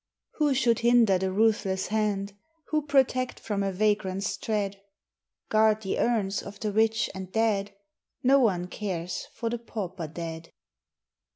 Who should hinder the ruthless hand, Who protect from a vagrant's tread? Guard the urns of the rich and great No one cares for the pauper dead!